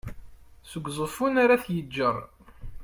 seg uẓeffun ar at yeğğer